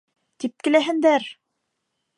Типкеләһендәр!